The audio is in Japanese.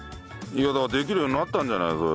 できるようになったんじゃない？